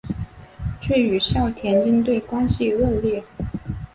却与校田径队关系恶劣。